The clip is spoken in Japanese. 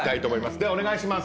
ではお願いします。